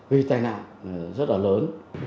huy tai nạn rất là lớn